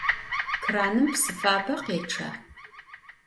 Kranım psı fabe khêçça?